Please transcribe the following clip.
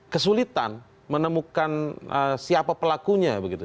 kesulitan menemukan siapa pelakunya begitu